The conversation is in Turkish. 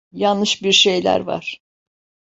Yanlış bir şeyler var.